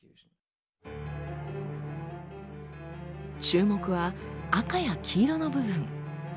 注目は赤や黄色の部分。